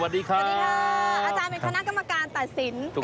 สวัสดีครับอาจารย์เป็นคณะกรรมการตัดสิน